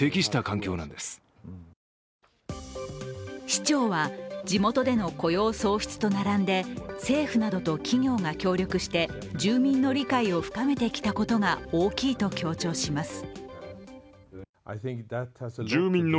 市長は地元での雇用創出と並んで政府などと企業が協力して住民の理解を深めてきたことが大きいと強調します。